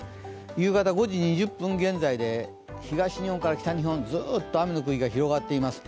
夕方５時２０分現在で東日本から北日本ずっと雨の状態が続いています。